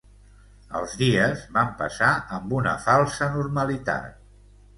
Els dies van passar amb una falsa normalitat.